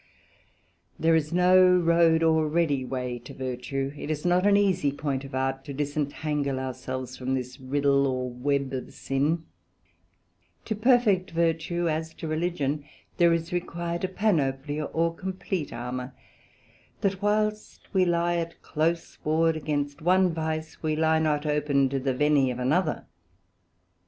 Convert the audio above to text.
There is no road or ready way to virtue; it is not an easie point of art to disentangle our selves from this riddle, or web of Sin: To perfect virtue, as to Religion, there is required a Panoplia, or compleat armour; that whilst we lye at close ward against one Vice, we lye not open to the venny of another.